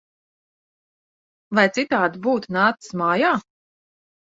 Vai citādi būtu nācis mājā!